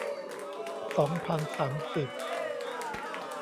สองพันสามสิบ